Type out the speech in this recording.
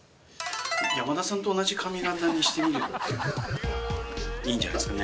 山田さんと同じ髪形にしてみるっていうのは、いいんじゃないですかね。